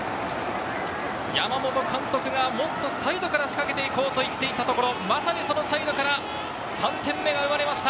山本監督がもっとサイドから仕掛けて行こうと言ってたところ、まさにそのサイドから３点目が生まれました。